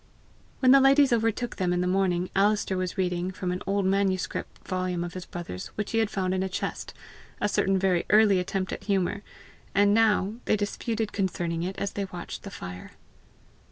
When the ladies overtook them in the morning, Alister was reading, from an old manuscript volume of his brother's which he had found in a chest, a certain very early attempt at humour, and now they disputed concerning it as they watched the fire.